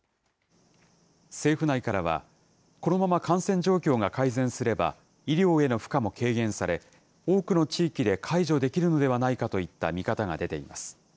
政府内からは、このまま感染状況が改善すれば、医療への負荷も軽減され、多くの地域で解除できるのではないかといった見方が出ています。